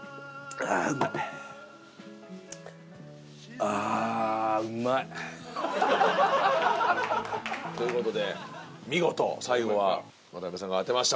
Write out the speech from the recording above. ああーうまい！という事で見事最後は渡辺さんが当てました。